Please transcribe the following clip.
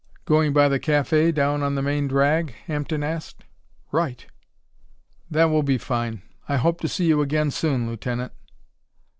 "Going by the café down on the main drag?" Hampden asked. "Right." "That will be fine. I hope to see you again soon, Lieutenant."